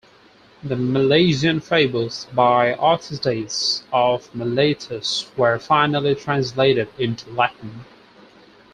The "Milesian Fables" by Aristides of Miletus were finally translated into Latin.